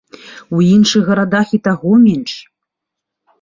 У іншых гарадах і таго менш.